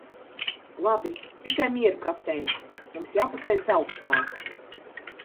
Labi, tikai mieru Kaptein, mums jāpaceļas augstāk!